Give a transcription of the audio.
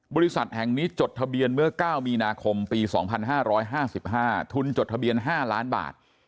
บริษัทแห่งนี้จดทะเบียนเมื่อ๙มีนาคมปี๒๕๕๕ทุนจดทะเบียน๕ล้านบาท